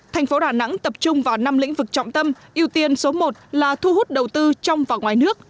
thành phố đà nẵng tập trung vào năm lĩnh vực trọng tâm ưu tiên số một là thu hút đầu tư trong và ngoài nước